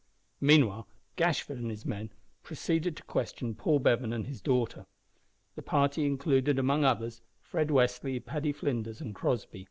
Meanwhile Gashford and his men proceeded to question Paul Bevan and his daughter. The party included, among others, Fred Westly, Paddy Flinders, and Crossby.